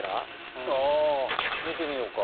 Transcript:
見てみようか。